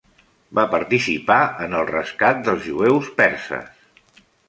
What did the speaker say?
Va participar en el rescat dels jueus perses.